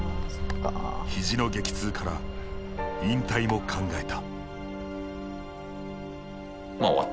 肘の激痛から引退も考えた。